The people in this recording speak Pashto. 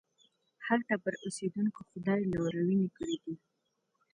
هلته پر اوسېدونکو خدای لورينې کړي دي.